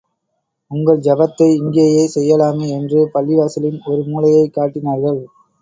உங்கள் ஜபத்தை இங்கேயே செய்யலாமே என்று, பள்ளிவாசலின் ஒரு மூலையைக் காட்டினார்கள்.